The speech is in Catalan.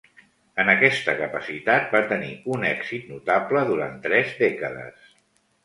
En aquesta capacitat, va tenir un èxit notable durant tres dècades.